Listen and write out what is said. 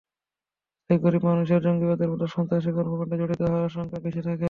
তাই গরিব মানুষের জঙ্গিবাদের মতো সন্ত্রাসী কর্মকাণ্ডে জড়িত হওয়ার আশঙ্কা বেশি থাকে।